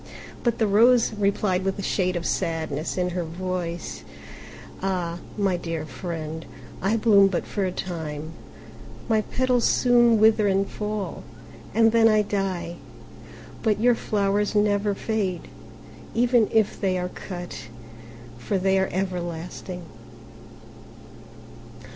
But the Rose replied with a shade of sadness in her voice, "Ah, my dear friend, I bloom but for a time: my petals soon wither and fall, and then I die. But your flowers never fade, even if they are cut; for they are everlasting."